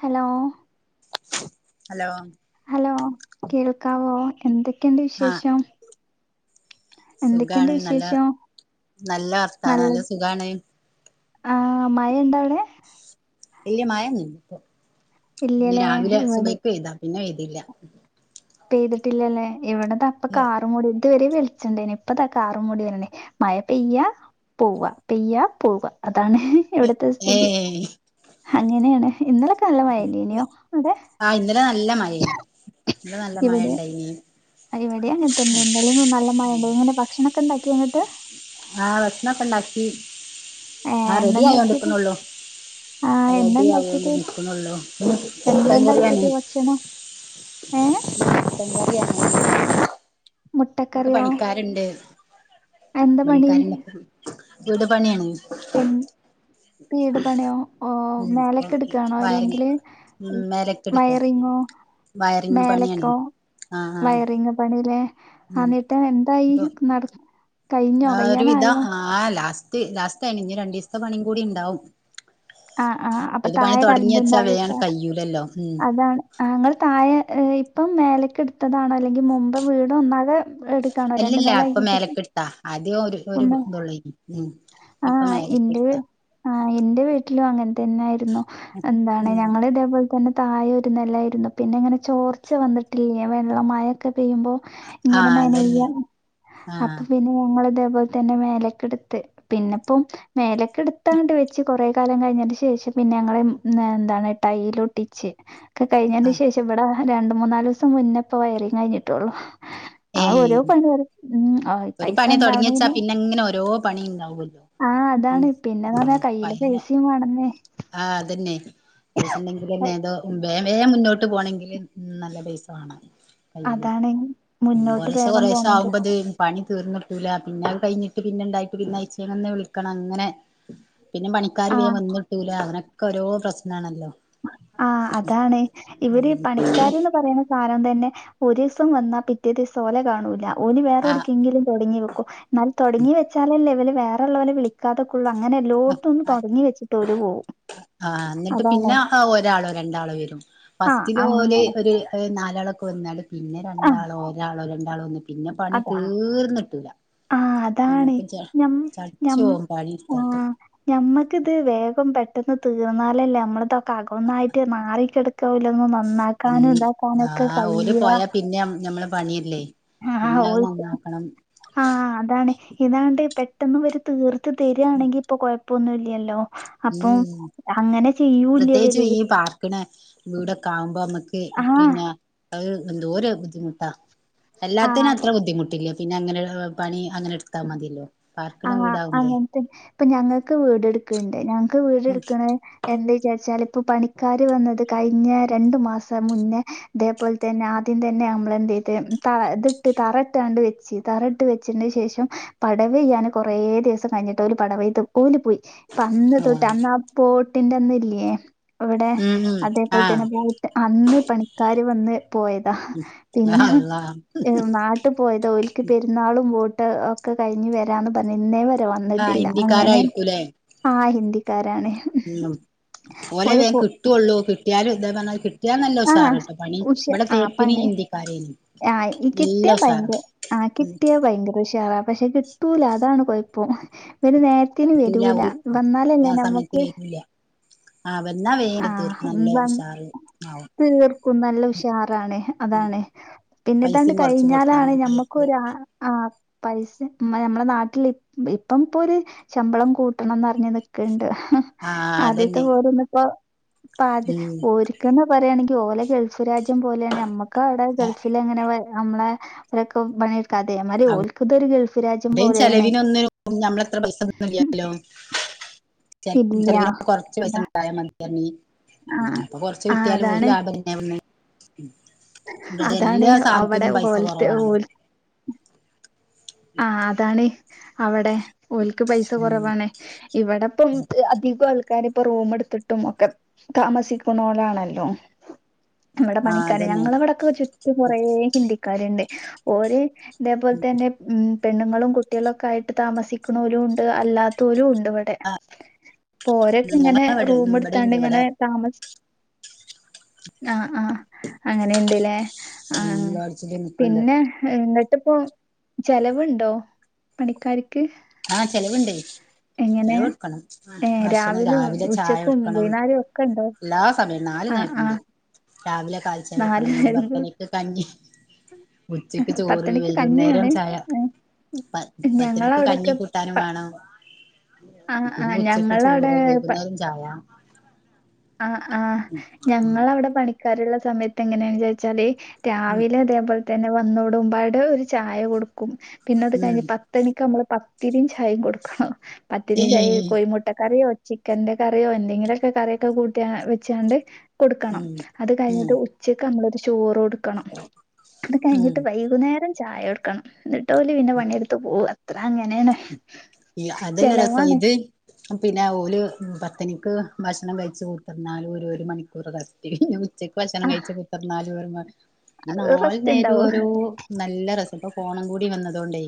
Hello hello hello കേൾക്കാവോ എന്തൊക്കണ്ട് ആ വിശേഷം എന്തൊക്കണ്ട് സുഖാണ് നല്ല വിശേഷം നല്ല വർത്താനം നല്ല സുഖാണ് ആ മഴണ്ടവിടെ ഇല്യ മഴൊന്നുല്ല ഇപ്പൊ ഇനി ഇല്ലല്ലേ രാവിലെ ഇവിടെ സുബ്ഹിക്ക് പേഴുതാ പിന്നെ പേഴുതില്ല പെയ്തിട്ടില്ലല്ലേ ഇവിടത ഇപ്പൊ ഇല്ല കാറ് മൂടി ഇതു വരെ വെളിച്ചെണ്ടേന്ന് ഇപ്പതാ കാറും മൂടി വര്ണ് മഴ പെയ്യ പോവ പെയ്യ പോവ അതാണ് ഇവിടത്തെ ഏ സ്ഥിതി അങ്ങനെയാണ് ഇന്നലെ ആ ഇന്നലെ നല്ല മഴ എനി ഇന്നലെ നല്ല മഴ ഇണ്ടായിനി ഇവിടിം അങ്ങനതന്നെ ഇന്നലൊന്നും നല്ല മഴ ഉണ്ടായില്ല എങ്ങനെ ഭക്ഷണം ഒ ക്കെണ്ടാക്കിയോന്നിട്ട് ആഹ് ഭക്ഷണൊക്കെണ്ടാക്കി ഏ ആ എന്താ റെഡി ഉണ്ടാക്കിയത് ആയോണ്ടിക്കുന്നുള്ളു ആ എന്താ റെഡി ആയോണ്ട് ഉണ്ടാക്കിയത് നിക്ക്ണൊള്ളു എന്താ [unintelligible] ഏഹ് ചിക്കൻ കറി ആണ് ഇൻക്ക് മുട്ടക്കറിയോ? പണിക്കാര്ണ്ട് എന്താ പണി? പണിക്കാര്ണ്ട് വീട് പണിയാണ് ഉം വീട് പണിയോ ഓ മേലക്ക് ഉം എടുക്കാണോ വയറിങ് അല്ലെങ്കിൽ ഉം മേലക്കെട്ക്കാ വയറിങ്ങോ വയറിങ് പണിയാണ് മേലക്കോ ആഹ് ആഹ് വയറിങ് പണിലെ ആ ഉം ന്നിട്ട് എന്തായി അപ്പൊ നട കഴിഞ്ഞോ? ആ ഒരു വിധ കയ്യാനായോ? ആഹ് ലാസ്റ്റ് ലാസ്റ്റാണ് ഇനി രണ്ടീസതെ പണികൂടിണ്ടാവും ആഹ് ആഹ് അപ്പൊ ഏത് പണി താഴെ കറന്റ് തൊടങ്ങിയച്ചാ വേൻ അങ്ങട്ട് ഉണ്ടാവേക്കാരം. കയൂലല്ലോ ഉ അതാണ് ആ ഇങ്ങൾ തായേ ഇപ്പം മേലക്ക് എടുത്തതാണോ അല്ലെങ്കിൽ മുമ്പ് വീട് ഒന്നാകെ എടുക്കാണോ രണ്ടു നല ആയിട്ട് ആ ആദ്യം ഒരു ഒരു ഇതൊല്ലൂ നീ ഇപ്പൊ മേലക്ക്ട്ക്കാ ആ ഇന്റെ വീട്ടിലും അങ്ങനതന്നായിരുന്നു എന്താണ് ഉം ഞങ്ങൾ ഇതേപോ തന്നെ താഴൊരു നിലായിരുന്നു പിന്നെ ഇങ്ങനെ ചോർച്ച വന്നിട്ടില്ലേ വെള്ള മഴൊക്കെ പെയ്യുമ്പോ ഇങ്ങനെ ആഹ് അതന്നെ നനയ ആഹ് അപ്പൊ പിന്നെ ഞങ്ങളിതേ പോലെ തന്നെ മേലക്കെടുത്ത് പിന്നെപ്പം മേലക്ക് എടുത്തങ്ങട്ട് വെച്ച് കൊറെ കാലം കഴിഞ്ഞതിന് ശേഷം പിന്നെ ഞങ്ങൾ എന്താണ് ടൈലൊട്ടിച്ച് ഒക്കെ കഴിഞ്ഞതിന് ആഹ് ശേഷം ഇവിടെ രണ്ടു മൂന്നാലീസം മുന്നെപ്പോ വയറിങ് കഴിഞ്ഞിട്ടുള്ളു ആ ഓരോ ഏയ് പണി വരും ഉം ആ പൈസണ്ടാവണെ പിന്നെങ്ങനെ ഓരോ പണിണ്ടാവൊല്ലോ. ആഹ് അതാണ് പിന്നെന്ന് പർഞ്ഞ കയ്യില് ഉം പേസിം വാണന്നെ. ആഹ് അതന്നെ. പൈസണ്ടെങ്കിലെന്നെ ക- ഏതോ വേം വേം മുന്നോട്ട് പോണെങ്കില് നല്ല പൈസവാണം. അതാണ് മുന്നോട്ട് കൊറേഷെ വേഗം കൊറേഷെ പോണെങ്കിൽ ആവുമ്പത് പണി തീർന്ന്ട്ടൂല പിന്നെ അത് കയ്ഞ്ഞിട്ട് പിന്നെണ്ടായിട്ട് പിന്നെ ആയ്ച്ചേങ്ങന്ന് വിളിക്കണം അങ്ങനെ പിന്നെ ആ പണിക്കാര് വേം വന്ന്ട്ടൂല അങ്ങനൊക്കെ ഓരോ പ്രശ്നാണല്ലോ. ആഹ് അതാണ് ഇവിടെ പണിക്കാര്ന്ന് പറിണത് കാണാംതന്നെ ഒരീസം വന്നാ പിറ്റേദീസം ഓലെ കാണൂല. ഓല് ആഹ് വേറെവ്ട്ക്കെങ്കിലും തൊ ട്‌ങ്ങി വെക്കും എന്നാൽ തൊട്ങ്ങി വെച്ചാലല്ലെ ഇവല് വേറെ ഉള്ളോരേ വിളി നിക്കാതെക്കുള്ള അങ്ങനെ എല്ലോട്ത്തും ഒന്ന് തൊട്‌ങ്ങി വെച്ച്ട്ട് ഓല് പോവും. ആ എന്നിട്ട് അതാണ് പിന്നെ ഒരാള രണ്ടാളോ വരും ആ ഫസ്റ്റില് ഓല് അങ്ങനെ ഒര് ഹ് നാലാളൊക്കെ വന്നാണ്ട് പിന്നെ ആ രണ്ടാളോ ഒരാളോ രണ്ടാളോ വന്ന് പിന്നെ പണി അതാ തീർന്ന്ട്ടൂല ആ അതാണ് നമ്മുക്ക് ച ഞം ഞം ചട്ച്ചോവും പണിട്ത്താട്ട്. ആഹ് ഞമ്മക്കിത് വേഗം പെട്ടെന്ന് തീർന്നാലല്ലേ നമ്മൾ തൊക്കെ അകന്നായ്ട്ട് മാറിക്കെട് ക്കോലൊന്നും നന്നാക്കാനും ഇതാക്കാനും ഒക്കെ ആഹ് ഓല് കയ്യ. പോയാ പിന്നെ നമ്മളെ പണിയല്ലേ പിന്നെ അഹ് ഓൽക്ക് നന്നാക്കണം. ആഹ് അതാണ് ഇതാണ്ട് പെട്ടെന്ന് ഇവര് തീർത്ത് തര്യാണെങ്കി ഇപ്പ കൊഴപ്പൊന്നും ഇല്ലല്ലോ. അപ്പം അങ്ങനെ പ്രത്യേകിച്ചും ചെയ്യൂല്ലിവര് ഈ പാർക്ക്ണെ വീടൊക്കെ ആവുമ്പോ അമ്മക്ക് ആഹ് പിന്നെ അഹ് എന്തോര് ബുദ്ധിമുട്ടാ എല്ലാ ആ ത്തേനെ അത്ര ബുദ്ധിമുട്ടില്ല. പിന്നെ അങ്ങനെ എ പണി അങ്ങനെട്ത്താൽ മതിയല്ലോ. ആ പാർക്കണ വീടാവുമ്പോ അങ്ങൻത്തെ ഇപ്പ ഞങ്ങക്ക് വീട് ട്ട്ക്ക്‌ണ്ട് ഞങ്ങക്ക് വീട് ഇട്ക്ക്‌ണെ എന്തേ വിചാരിച്ചാല് ഇപ്പ പണിക്കാര് വന്നത് കയ്ഞ്ഞ രണ്ട് മാസം മുന്നേ ഇതേപോൽ തന്നെ ആദ്യം തന്നെ അമ്മളെന്തെയ്ത് ത ഇത്ട്ട് തറ ഇട്ടാണ്ട് വെച്ച് തറ ഇട്ട് വെച്ചേന്റെ ശേഷം പട വെയ്യാന് കൊറേ ദിവസം കഴിഞ്ഞിട്ട് ഓല് പടവെയ്ത് ഓല് പോയി ഇപ്പ അന്ന് തൊട്ട് ആഹ് അന്ന ബോട്ടിന്റെ അന്ന് ഇല്ലേ ഇവിടെ ഉം ഉം അതേപോൽ തന്നെ ആഹ് പോയിട്ട് അന്ന് പണിക്കാർ വന്ന് പോയതാ. യാ അള്ളാ. എ നാട്ട് പോയതാ ഒൽക്ക് പെര്ന്നാളും വോട്ട് ഒക്കെ കഴിഞ്ഞ് വരാന്ന് പർഞ്ഞ് ഇന്നേ വരെ ആഹ് വന്നിട്ടില്ല അങ്ങനെ ഹിന്ദിക്കാരായിരിക്കൂലേ ആ ഹിന്ദിക്കാരാണ്. ഉം ഓലെ ഓല് വേം പോ കിട്ടൊള്ളൂ കിട്ട്യാലും ഇതെ പർഞ്ഞര്ക്ക്‌ കിട്ട്യാനല്ല ആഹ് ഉഷാറാട്ടോ പണി ഉഷ ഇപടെ ആഹ് തേപ്പിന് പണി ഹിന്ദിക്കാരേനി. ആഹ് ഈ നല്ല കിട്ട്യാ ഉഷാറാ ഭയങ്ക ആഹ് കിട്ട്യാ ഭയങ്കരെ ഉഷാറാ പക്ഷേ കി ട്ടൂല അതാണ് കൊയപ്പം പിന്നെ നേര്ത്തിന് കിട്ടൂല വരൂല വന്നാലല്ലേ ആ സമയത്ത് ഞമ്മക്ക് വരൂല്ല ആ വന്നാ വേ എട് തീ ആഹ് നല്ല വന്ന് ഉഷാറ് ആവും. തീർക്കും നല്ല ഉഷാറാണ്. അതാണ് പിന്നെ ഇതാണ്ട് പൈസയും കൊറച്ച് കൊടുത്താ കഴിഞ്ഞാലാണ് മതിയായിരിക്കും നമ്മുക്കൊരു ആ ആഹ് പൈസ നമ്മളെ നാട്ടിൽ ഇപ്പം ഇപ്പൊര് ശമ്പളം കൂട്ടണംന്ന്ർഞ്ഞ് നിക്ക്‌ണ്ട് ആ ആദ്യത്തെ അതന്നെ പോലെന്ന് ഇപ്പോ ഇപ്പ ആദ്യം ഉം ഓര്ക്കെന്ന് പറയാണെങ്കി ഓലെ ഗൾഫ് രാജ്യം പോലെണ് നമ്മക്ക്‌ അവ്ടെ ഗൾഫ് ലങ്ങനെ നമ്മളെ ഒര്ക്ക്‌ പണിഎട്കാത്തെ അതേ മാതിരി ഓൽ പ്പ‌ ഇതൊരു ഗൾഫ് രാജ്യം ഇവിടെ അയ്ന് പോലെയാണ് ചെലവിനൊന്ന് നമ്മളത്ര പൈസ കിട്ട്ണ്ല്ല്യല്ലോ. ചെ ഇല്ല ചെലവിനോക്കെ കൊറച്ച് അതാ പൈസണ്ടായ മതിന്ന് പർഞ്ഞ് ആ ഉം അപ്പ കൊറച്ച് ആ കിട്ടിയാലും ഓൽക്ക്‌ അതാണ് ലാഭല്ലേ എവ്ട്ന്ന് ഉം അതാണ് എല്ലാ അവിടെ സാധനത്തിനും പൈസ ഓൽത്തെ കൊറവാണ് ഓൽ ആഹ് അതാണ് അവിടെ ഓൽക്ക് പൈസ ഉം കൊറവാണ് ഇവിട്പ്പം അധികം ആൾക്കാര് ഇപ്പം റൂമെടുത്തിട്ടും ഒക്കെ താമസിക്ക്‌ണോലാണല്ലോ നമ്മടെ ആ പണിക്കാര് അതന്നെ ഞങ്ങളെ ഇവിടെക്കെ ചുറ്റും കൊറേ ഹിന്ദിക്കാര്ണ്ട് ഓര് ഇതേപോൽതന്നെ ഉം പെണ്ണുങ്ങളും കുട്ടികളൊക്കായിട്ട് താമസിക്ക്‌ണോലും ഉണ്ട് അല്ലാത്തോരും ഉണ്ട് ഇവി ടെ ആ ഞങ്ങളെ പ്പോരൊക്കെങ്ങനെ ഇവിടെ ഇവിടെണ്ട് ഇവിടെ റൂമെടുത്താണ്ട്ങ്ങനെ താമസി ആഹ് ആഹ് അങ്ങനെ ഇണ്ട്ലേ ഉം ആഹ് ലോഡ്ജില് നിക്ക്ണ്ട് പിന്നെ എന്നിട്ട്പ്പം ചെലവ്ണ്ടോ പണിക്കാര്ക്ക് ആഹ് ചെലവ്ണ്ട് ചെലവ് കൊടുക്കണം ആഹ് ഏ ഭക്ഷണം രാവിലെയും രാവിലെ ചായ ഉച്ചക്കും കൊടുക്കണം വൈകുന്നേരവും ഒക്കെ ഉണ്ടോ എല്ലാം സമയം നാല് ആ നേരം ആ ഇണ്ട് രാവിലെ പാൽ ചായ നാല് കൊടുക്കണം പിന്നെ നേരം കൂടി പത്തണിക്ക് കഞ്ഞി ഉച്ചക്ക് ചോറ് പത്തണിക്ക് വൈകുന്നേരം കഞ്ഞിയാണ് ചായ ഏ, പത് പത്തണിക്ക് കഞ്ഞി ഞങ്ങളവിടൊക്കെ കൂ ട്ടാനും പ- വേണം ആ ആ പിന്നെ ഉച്ചക്ക് ചോറ് ഞങ്ങളവിടെ വൈകുന്നേരം ചായ ആഹ് ആഹ് ഞങ്ങളവിടെ പണിക്കാരുള്ള സമയത്ത് എങ്ങനെയാണ് ചോയിച്ചാല് ഉം രാവിലെ ഇതേ പോലെ തന്നെ വന്നോടുമ്പാട് ഒരു ചായ കൊടുക്കും പിന്നെ അത് ഉം കഴിഞ്ഞ് പത്ത് പത്തണിക്കമ്മള് പത്തിരിം ചായേം കൊടുക്കണം പത്തിരിം ചായേം കോയിമുട്ട മുട്ടക്കറിയോ ചിക്കന്റെ കറിയോ എന്തെങ്കിലൊക്കെ കറിയൊക്കെ കൂട്ടിയാ വെച്ചാണ്ട് കൊടുക്കണം ഉം അത് ഉം കയ്ഞ്ഞിട്ട് ഉച്ചക്കമ്മളൊരു ചോറ് കൊടുക്കണം അത് കയ്ഞ്ഞിട്ട് ഉം വൈ കുന്നേരം ചായൊടുക്കണം എന്നിട്ടോല് പിന്നെ പണിയെടുത്ത് പോകും അത്ര അങ്ങനെണ് ഈ അതല്ല രസം ഇത് പിന്നാ ഓല് പത്തണിക്ക് ഭക്ഷണം കഴിച്ചു കുത്തിർന്നാലും ഒരു ഒരു മണിക്കൂർ കത്തി ഉച്ചക്ക് ഭക്ഷണം ആഹ് കഴിച്ച് കുത്തിർന്നാലും ഓലു ഈ നാല് റെസ്റ്റ് നേരേം ഇണ്ടാവോ? ഒരോ നല്ല രസം ഇപ്പം ഫോണും കൂടി വന്നതോണ്ടേ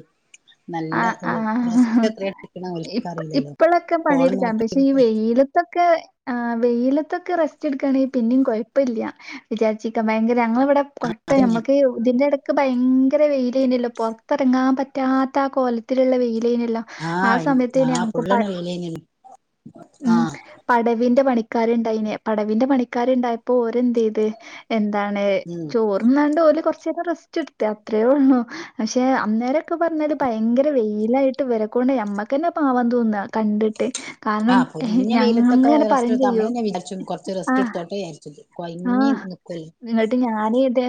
നല്ല ആഹ് ഇത് ര ആഹ് എത്രയാ ഇട്ട്ക്കണ്ന്ന് ഇപ്പ ഓൽക്കറില്ലല്ലോ ഫോണും നോക്കി ഇതൊക്കെ ആഹ് വെയിലത്തൊക്കെ റസ്റ്റ് എടുക്കാണെങ്കി പിന്നേം കൊയപ്പില്ല വിചാരിച്ചിക്ക ഭയങ്കര ഞങ്ങളിവടെ കൊട്ട അതന്നെ ഞമ്മക്ക് ഇതിന്റെ എടക്ക് ഭയങ്കര വെയിലേനെല്ലോ പൊറത്തെറങ്ങാൻ പറ്റാ ത്ത കോലത്തിലുള്ള വെയിലേനല്ലോ ആഹ് സമയത്തേനു ആഹ് ഞങ്ങക്ക് ഫുള്ളാണ് പട് വെയിലേനല്ലോ ഉം ആഹ് പടവിന്റെ പണിക്കാരുണ്ടായിനെ പടവിന്റെ പണിക്കാരുണ്ടായപ്പോ ഓരെന്തെയ്ത് എന്താണ് ഉം ചോർ ർന്നാണ്ട് ഓല് കൊറച്ചേരം റസ്റ്റ് എടുത്ത് അത്രേള്ളൂ പക്ഷെ അന്നേരൊക്കെ പറഞ്ഞാല് പയങ്കര വെയിലായിട്ട് ഇവരെക്കൊണ്ട് ഞമ്മക്കന്നെ പാവം തോന്നാ കണ്ടിട്ട് കാരണം ആഹ് പൊരിഞ്ഞ വെയിലത്തൊക്കെ ഞങ്ങനെ പറയേം ചെയ്യും ആഹ് ഏഹ് [unintelligible] കൊയ് ആഹ് എന്ന്ട്ട് ഞാനുതേ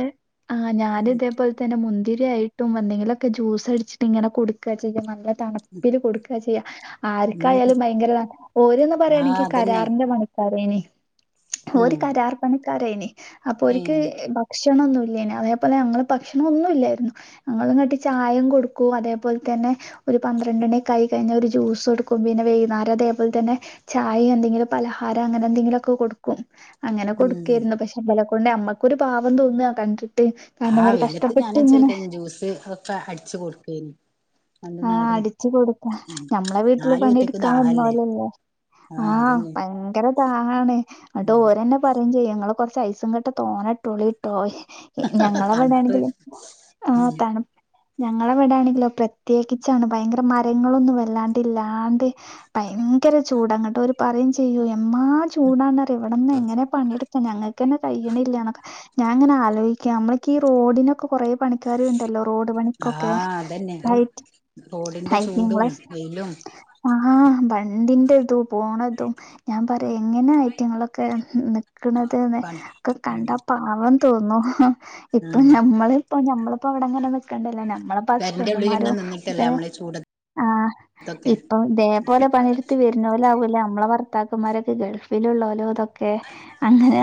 ആഹ് ഞാനിതേ പോൽ തന്നെ മുന്തിരായിട്ടും എന്തെങ്കിലൊക്കെ ജ്യൂസ് അടിച്ചിട്ട് ഇങ്ങനെ കൊടുക്കാ ചെയ്യാ നല്ല തണുപ്പില് കൊടുക്കാ ചെ യ്യാ ഉം ആർക്കായാലും ഭയങ്കര ഓര്ന്നെ ആഹ് പറയുകയാണെങ്കി അതന്നെ കരാറിന്റെ പണി പറയേനി ഓര് ഉം കാരാർ പണിക്കാരേനി അപ്പൊ ഏ ഓര്ക്ക് ഭക്ഷണൊന്നുല്ലേനി അതേ പോലെ ഞങ്ങള് ഭക്ഷണൊന്നും ഇല്ലാരുന്നു ഞങ്ങളിങ്ങട്ട് ചായേം കൊടുക്കും അതേപോലെത്തന്നെ ഒരു പന്ത്രണ്ടെണിക്കെ ആയി കഴിഞ്ഞാ ഒരു ജൂസൊടുക്കും പിന്നെ വൈന്നാരം അതേപോലെത്തന്നെ ചായേം എന്തെങ്കിലും പലഹാരം അങ്ങനെ എന്തെങ്കിലൊക്കെ കൊടുക്കും അങ്ങനെ കൊടു ഉം ക്കും പക്ഷെ ഇബലെക്കൊണ്ട് ഞമ്മക്കൊരു പാവം തോന്നൃ കണ്ടിട്ടേ. ഹാ വെയിലത്ത് ഞാന് ഇച്ചിരിക്കഴിഞ്ഞ് ജ്യൂസ് അതൊക്കെ അടിച്ചു കൊടുത്തീന് ആ അടിച്ചുകൊടുക്കാം ഞമ്മളെ വീട്ടില് നാല് കുറ്റിക്ക് പണിയെടുക്കാൻ ദാഹല്ലേ വന്നോലല്ലേ. ആ ഭയങ്കര ദാഹാണേ ഉം അതും ഒരെണ്ണം. പറയും ചെയ്യും നിങ്ങള് കൊറച്ച് ഐസുംകട്ട തോനെയിട്ടോളീട്ടോ തണുപ്പ് ഞങ്ങളെവിടെണെങ്കിലും ആ ഉം തണുപ്പ് ഞങ്ങളെവിടാണെങ്കിലോ പ്ര പ്രത്യേകിച്ചാണ് ഭയങ്കര മരങ്ങളൊന്നും വല്ലാണ്ട് ഇല്ലാണ്ട് ഭയങ്കര ചൂടങ്ങട്ടൊരു പറയും ചെയ്യും എമ്മാ ചൂടാന്നറിയോ ഇവിടെന്നെങ്ങനെ പണിയെടുക്കും ഞങ്ങക്കന്നെ കയ്യണില്ലാന്നൊക്കെ. ഞാൻ ഇങ്ങനെ ആലോയിക്കാ നമ്മളെക്കീ റോഡിനൊക്കെ കൊറെ പണിക്കാരുണ്ടല്ലോ റോഡു ആ പണിക്കൊക്കെ. അതന്നെ ഔ ഐറ്റ് റോഡിന്റെ ചൂടും ഐറ്റിങ്ങളെ. വെയിലും ആഹാ വണ്ടിന്റെതു പോണതും ഞാൻ പറയാ എങ്ങനെ ഐറ്റിങ്ങളൊക്കെ നിക്കണതെന്ന് പ ഒക്കെ ഉം കണ്ടാ പാവം തോന്നും ഇപ്പൊ ഉം ഞമ്മള്. ഇപ്പം ഞമ്മളിപ്പോ അവിടങ്ങനെ നിക്കണ്ടല്ലൊ ഞമ്മിളപ്പസ് പെരന്റെ മ്മാരും ഉള്ളിലിങ്ങനെ എ നിന്നിട്ടല്ലേ നമ്മള് ആ ചൂടത്തൊക്കെ ഇപ്പോ ദേ പോലെ പണി യെടുത്ത് വരുന്നോലാവുവല്ലോ നമ്മളെ ഭർത്താക്കന്മാരൊക്കെ ഗൾഫിലുള്ളോലും ഇതൊ ക്കെ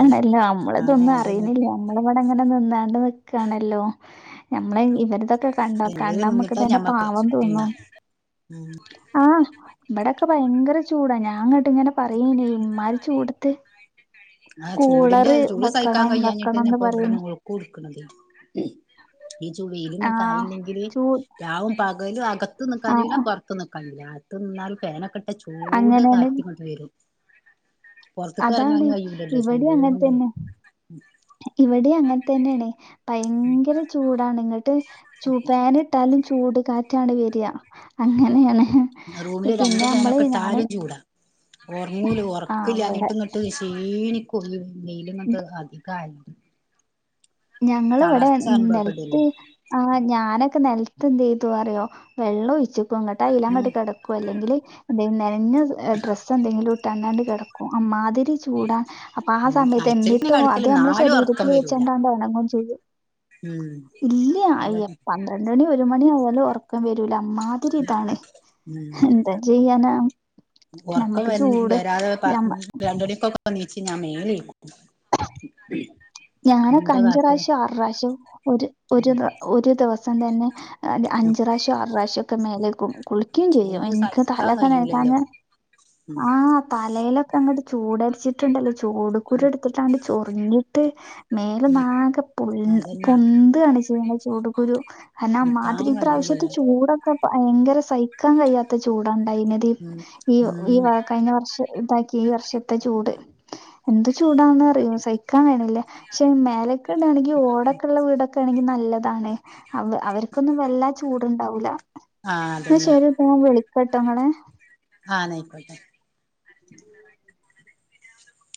അതെ ആ അമ്മളിതൊന്നും അതന്നെ അറിയുന്നില്ല. നമ്മളിവടങ്ങനെ നിന്നാണ്ട് നിക്കാണല്ലോ നമ്മെളെ ഇവരതൊക്കെ കൺ ഉള്ളില് കണ്ടാ നിന്നിട്ടാ അമ്മക്കുതന്നെ ഞമ്മക്ക് പാവം തോന്നും ഉം ആഹ്. ഇബടൊക്കെ ഭയങ്കര ചൂടാ ഞാൻ അങ്ങോട്ടിങ്ങനെ പറയേനി ഇമ്മാരി ചൂടത്ത് ആഹ് ചൂടിന്റെ കൂളറ് ചൂട് സഹിക്കാൻ വെക്കണം വെക്കണംന്ന് കയ്യാഞ്ഞിട്ടെന്നെപ്പൊ ഇവിടെ പറയേനി കുടുക്കണത് ഈ ചു ആഹ് വെയിലിങ്ങട്ടായില്ലെങ്കില് ചൂ രാവും പകലും അകത്ത് നിക്കാൻ കയ്യൂല ആഹ് പൊറത്ത് നിക്കാൻ കയ്യൂല അകത്ത് നിന്നാലും ഫേനൊക്കെ ചൂട് അങ്ങനെയാണ് കാറ്റിങ്ങോട്ട് വെരും പൊറത്തുക്ക് എറങ്ങാനും കയ്യുല. ഇവിടെ അങ്ങനെതന്നെ ഇവിടെ അങ്ങനെ തന്നെയാണേ ഭയങ്കര ചൂടാണ് ഇങ്ങട്ട് ചൂ പാന് ഇട്ടാലും ചൂട് കാറ്റാണ് വരിക അങ്ങനെയാണ്. റൂമില് രണ്ടു പിന്നെ നമ്മള് ഫാനൊക്കെ ഞാന് ഇട്ടാലും ചൂടാ ഒർങ്ങൂല ഒറക്ക് ആഹ് ഇവടെ ഇല്ലാഞ്ഞിട്ടിങ്ങട്ട്. തീനിക്കും ഇ വെയിലിങ്ങട്ട് അധികായാല്. ഞങ്ങളിവിടെ തളർച്ച നെലത്ത്. അനുഭവപ്പെടൂല്ലേ ആ ഞാനൊക്കെ നെലത്ത് എന്തുചെയ്തു അറിയോ വെള്ളം ഒഴിച്ചേക്കും അങ്ങട്ട് ഉം അയിലങ്ങട്ട് കെട ക്കും അല്ലെങ്കില് എന്തെ നനഞ്ഞ ഡ്രസ്സ് എന്തെങ്കിലും ഇട്ടണ്ണാണ്ട് കെടക്കും അമ്മാതിരി. ചൂടാ അപ്പ ആ ഉം സമയത്ത് അയ്ച്ചൽക്ക് എന്നിട്ടും അത് കടക്കല് നമ്മളെ ന്നാലും ഒറക്കം ശരീരത്തില് വരൂല വെച്ചൊണ്ടാമ്പോ റങ്ങും ചെയ്യും ഉം ഇല്ലാ അയ്യെ അതന്നെ പന്ത്രണ്ടുണി ഒരു മണി ആവൂവല്ലോ ഒറ റക്കം വരൂല അമ്മാതിരി ഇതാണ് ഉം എന്താ ചെയ്യാനാ ഒറക്കം വ ഞമ്മക്ക് ചൂട് വരാതെ പ ഞമ്മ രണ്ട് മണിക്കൊക്കെ ഉറക്കം എണീച്ചുഞാൻ മേലുകഴുകും ഉം ഞാനൊക്കെ അഞ്ച് പ്രാവശ്യോ ആറു പ്രാവശ്യോ ഒരു ഉം ഒരുദെ ഒര് ദിവസം തന്നെ അ ഉം അഞ്ച് പ്രാവശ്യോ ആറു പ്രാവശ്യോക്കെ മേലെഴുകും കുളിക്കേം ചെയ്യും ചൂട് എനിക്ക് സഹിക്കാൻ തലൊക്കെ കഴിയൂലല്ലോ നനക്കാഞ്ഞെ [inaudible] തലയിലൊക്കെ അങ്ങട്ട് ചൂടടിച്ചിട്ടുണ്ടല്ലോ ചൂട് കുരു ഉം എടുത്തിട്ടാണ്ട് ചൊറിഞ്ഞ് ട്ട് ഉം മേലൊന്നാകെ പൊള്ള് അതന്നെ പൊന്താണ് ചൂട് കുരു നിക്കാൻ ഹെന്നാമാതിരി ഈ പ്രാവശ്യത്തെ കഴിയൂലല്ലോ ചൂടൊക്കെ ഭയങ്കര സഹിക്കാൻ കഴിയാത്ത ചൂടാണ്ടൊയീനത്. ഇപ്പ് ഉം ഈയൊ ഉം കഴിഞ്ഞവർഷത്തേക്കാ ഈ വർഷ ത്തെ ഈ വർഷത്തെ ചൂട് എന്ത് ചൂടാണന്ന് അറിയോ സഹിക്കാൻ കഴിയണി ല്ല പക്ഷെ മേലക്കെടാണെങ്കിൽ ഓടൊക്കെ ഉള്ള വീടൊക്കെ ആണെങ്കിൽ നല്ലതാണ് അവ അവർക്കൊന്നും വല്ലാ ചൂടുണ്ടാവൂല ആഹ് എന്ന അതന്നെ ശരി ട്ടോ. ഞാൻ വിളിക്കാട്ടോ ഇങ്ങളെ ആഹ് നയിക്കോട്ടെ